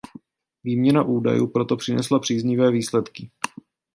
Výměna údajů proto přinesla příznivé výsledky.